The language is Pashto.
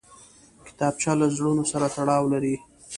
کتابچه له زړونو سره تړاو لري